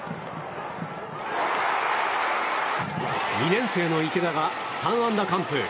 ２年生の池田が３安打完封。